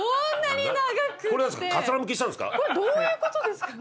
これどういうことですか？